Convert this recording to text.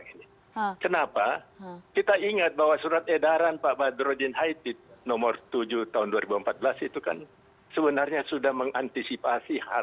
harus kita melakukan juga upaya upaya seperti yang dilakukan saya